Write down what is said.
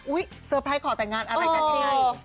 เซอร์ไพรส์ขอแต่งงานอะไรกันยังไง